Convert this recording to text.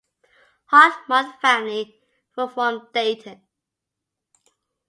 Hotmud Family were from Dayton.